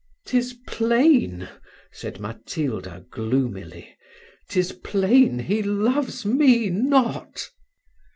"'Tis plain," said Matilda, gloomily, "'tis plain, he loves me not."